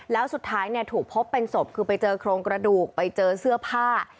แล้วสุดท้ายถูกพบเป็นศพคือไปเจอโครงกระดูกไปเจอเสื้อผ้า